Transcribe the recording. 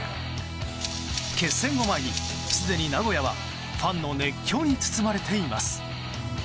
決戦を前に、すでに名古屋はファンの熱狂に包まれています。